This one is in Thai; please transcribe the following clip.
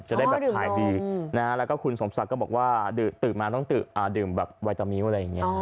จะได้แบบขายดีนะฮะแล้วก็คุณสมศักดิ์ก็บอกว่าตื่นมาต้องดื่มแบบไวตามิ้วอะไรอย่างนี้